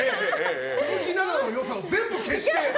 鈴木奈々のいいところを全部消して。